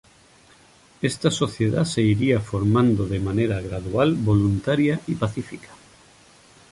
Esta sociedad se iría formando de manera gradual, voluntaria y pacífica.